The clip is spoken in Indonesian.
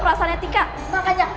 lo hargain sedikit dong rasanya tika